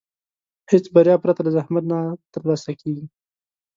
هېڅ بریا پرته له زحمت نه ترلاسه کېږي.